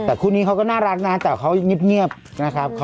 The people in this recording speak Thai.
แล้วพรุ่งนี้ก็จะจะมีบรรจาต่าง